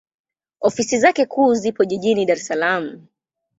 Ofisi zake kuu zipo Jijini Dar es Salaam.